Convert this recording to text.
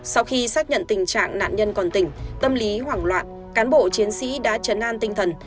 sau khi xác nhận tình trạng nạn nhân còn tỉnh tâm lý hoảng loạn cán bộ chiến sĩ đã chấn an tinh thần